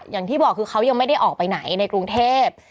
อย่างที่บอกคือเขายังไม่ได้ออกไปไหนในกรุงเทพ